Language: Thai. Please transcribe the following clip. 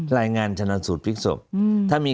รายงานชนสูตรภิกษมศ์